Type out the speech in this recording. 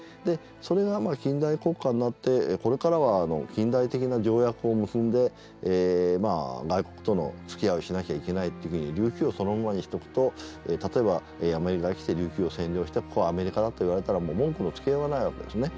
それが近代国家になってこれからは近代的な条約を結んで外国とのつきあいをしなきゃいけないって時に琉球をそのままにしておくと例えばアメリカが来て琉球を占領してここはアメリカだと言われたらもう文句のつけようがないわけですね。